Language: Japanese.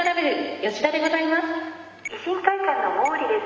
維新会館の毛利です。